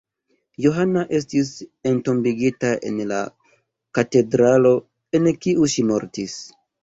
Johana estis entombigita en la katedralo, en kiu ŝi mortis.